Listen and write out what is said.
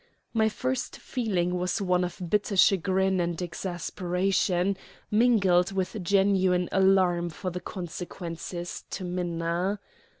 My first feeling was one of bitter chagrin and exasperation, mingled with genuine alarm for the consequences to Minna.